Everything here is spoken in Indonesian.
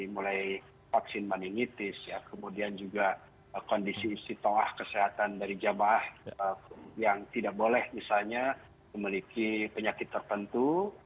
mulai vaksin meningitis kemudian juga kondisi istitoah kesehatan dari jamaah yang tidak boleh misalnya memiliki penyakit tertentu